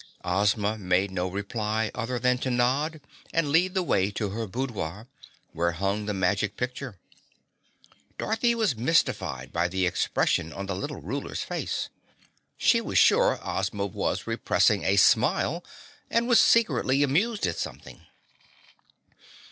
Ozma made no reply other than to nod and lead the way to her boudoir where hung the Magic Picture. Dorothy was mystified by the expression on the Little Ruler's face. She was sure Ozma was repressing a smile and was secretly amused at something.